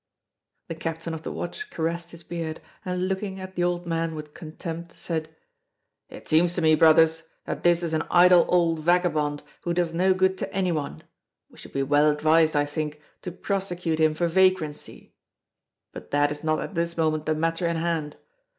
The Captain of the Watch caressed his beard, and looking at the old man with contempt, said: "It seems to me, brothers, that this is an idle old vagabond, who does no good to any one. We should be well advised, I think, to prosecute him for vagrancy. But that is not at this moment the matter in hand.